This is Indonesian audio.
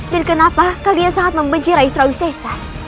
dan kenapa kalian sangat membenci raihsrawi sesa